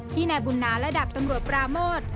ที่ในบุญนาธ์ระดับตำรวจประโมท